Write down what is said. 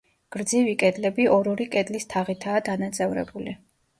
გრძივი კედლები ორ-ორი კედლის თაღითაა დანაწევრებული.